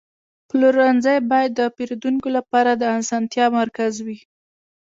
پلورنځی باید د پیرودونکو لپاره د اسانتیا مرکز وي.